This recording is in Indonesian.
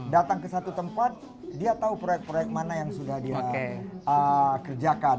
datang ke satu tempat dia tahu proyek proyek mana yang sudah dia kerjakan